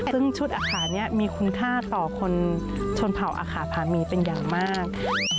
ซึ่งชุดอาคารนี้มีคุณค่าต่อคนชนเผ่าอาคาภามีเป็นอย่างมาก